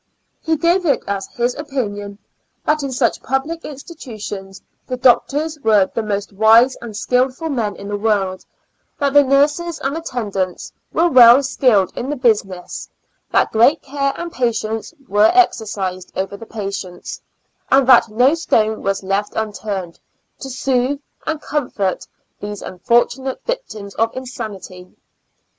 He gave it as his opin ion that in such pubhc institutions the doctors were the most wise and skillful men in the world; that the nurses and attendants were weU skilled in the busi ness; that great care and patience were exercised over the patients, and that no stone was left unturned to soothe and comfort these unfortunate victims of insanity.